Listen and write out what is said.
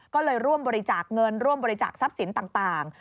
ก็เลยร่วมบริจาคเงินร่วมบริจาคทรัพย์สินต่าง